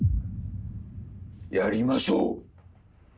やりましょう！